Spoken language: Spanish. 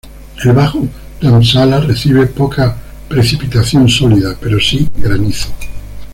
El bajo Dharamsala recibe poca precipitación sólida, pero si granizo.